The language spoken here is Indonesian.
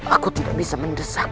aku tidak bisa mendesak